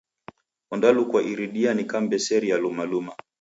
Ondalukwa iridia nikam'mbeseria luma luma.